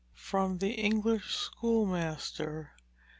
_ _The English Schoolmaster.